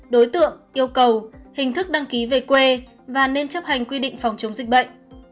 đối tượng yêu cầu hình thức đăng ký về quê và nên chấp hành quy định phòng chống dịch bệnh